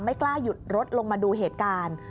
กล้าหยุดรถลงมาดูเหตุการณ์